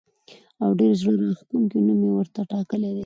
او ډېر زړه راښکونکی نوم یې ورته ټاکلی دی.